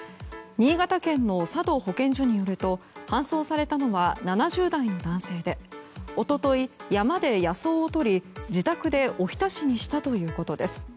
新潟県の佐渡保健所によると搬送されたのは７０代の男性で一昨日、山で野草を採り自宅でおひたしにしたということです。